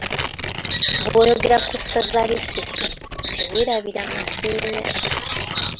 Bw’oyogera ku Ssaza ly’e Ssese teweerabira Masiinya.